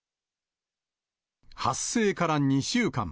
発生から２週間。